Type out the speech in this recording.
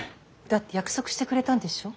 だって約束してくれたんでしょう。